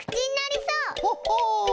ほっほう。